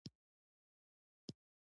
د کابل په بګرامي کې د ګرانیټ نښې شته.